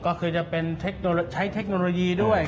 ก็คือจะใช้เทคโนโลยีด้วย